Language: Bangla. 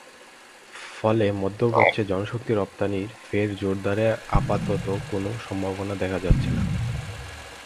ফলে মধ্যপ্রাচ্যে জনশক্তি রপ্তানি ফের জোরদারের আপাতত কোনো সম্ভাবনা দেখা যাচ্ছে না।